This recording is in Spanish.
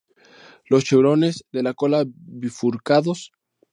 Los cheurones de la cola bifurcados.